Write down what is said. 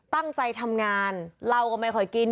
ตั้งใจทำงานเหล้าก็ไม่ค่อยกิน